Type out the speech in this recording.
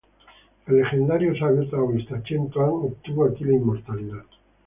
El legendario sabio taoísta Chen Tuan obtuvo aquí la inmortalidad.